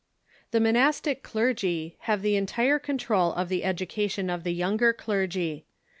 * The monastic clergy have the entire control of the educa tion of the younger clergy.